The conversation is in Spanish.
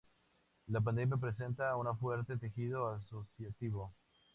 La pedanía presenta un fuerte tejido asociativo.